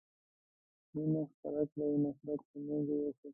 مينه خپره کړي نفرت له منځه يوسئ